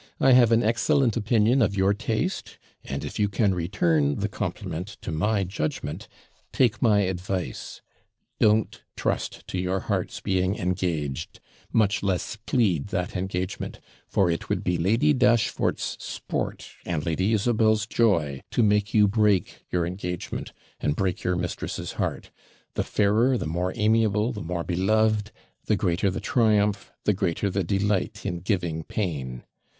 'I have an excellent opinion of your taste; and if you can return the compliment to my judgment, take my advice: don't trust to your heart's being engaged, much less plead that engagement; for it would be Lady Dashfort's sport, and Lady Isabel's joy, to make you break your engagement, and break your mistress's heart; the fairer, the more amiable, the more beloved, the greater the triumph, the greater the delight in giving pain.